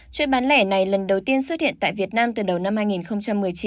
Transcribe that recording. chuyến bán lẻ này lần đầu tiên xuất hiện tại việt nam từ đầu năm hai nghìn một mươi chín